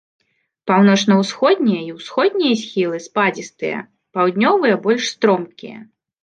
Паўночна-ўсходнія і ўсходнія схілы спадзістыя, паўднёвыя больш стромкія.